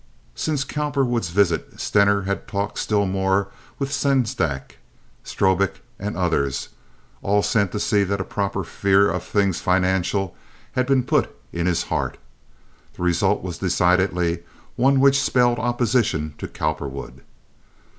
Since Cowperwood's visit Stener had talked still more with Sengstack, Strobik, and others, all sent to see that a proper fear of things financial had been put in his heart. The result was decidedly one which spelled opposition to Cowperwood.